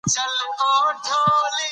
خو کۀ د چا دا خيال وي